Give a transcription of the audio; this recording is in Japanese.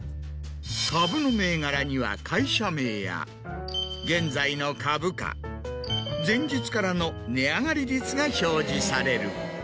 株の銘柄には会社名や現在の株価前日からの値上がり率が表示される。